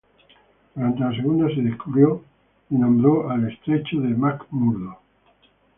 Durante la segunda se descubrió y nombró al estrecho de McMurdo.